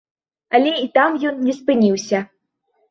Але і там ён не спыніўся.